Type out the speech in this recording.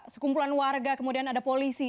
sekumpulan warga kemudian ada polisi